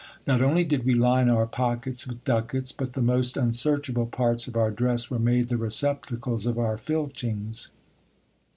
Not only did we line our pockets with ducats ; but the most unsearchable parts of our dress were made the receptacles of our fiichings.